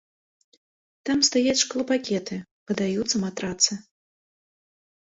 Там стаяць шклопакеты, выдаюцца матрацы.